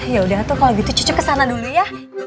yaudah tuh kalau gitu cucu kesana dulu ya